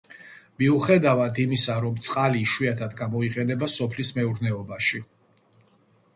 მიუხედავად იმისა, რომ წყალი იშვიათად გამოიყენება სოფლის მეურნეობაში.